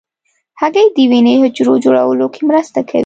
هګۍ د وینې حجرو جوړولو کې مرسته کوي.